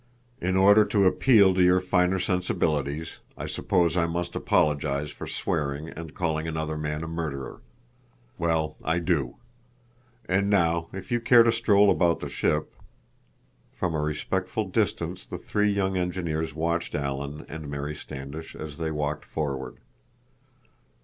"In order to appeal to your finer sensibilities I suppose I must apologize for swearing and calling another man a murderer. Well, I do. And now—if you care to stroll about the ship—" From a respectful distance the three young engineers watched Alan and Mary Standish as they walked forward.